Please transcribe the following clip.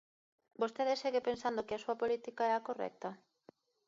¿Vostede segue pensando que a súa política é a correcta?